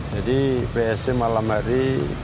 jadi psc malam hari